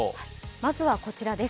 まずはこちらです。